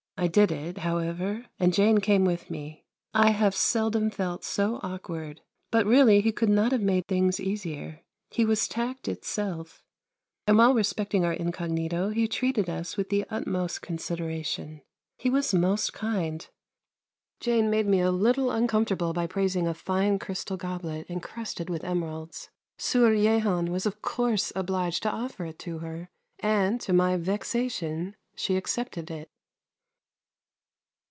I did it, however, and Jane came with me. I have seldom felt so awkward, but really he could not have made things easier. He was tact itself, and while respecting our incognito, he treated us with the utmost consideration. He was most kind. Jane made me a little uncomfortable by praising a fine crystal goblet encrusted with emeralds. Sieur Jehan was of course obliged to offer it her, and, to my vexation, she accepted it.